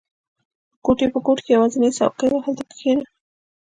• د کوټې په ګوټ کې یوازینی څوکۍ وه، هلته کښېنه.